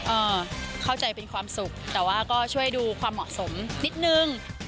เอ่อเข้าใจเป็นความสุขแต่ว่าก็ช่วยดูความเหมาะสมนิดนึง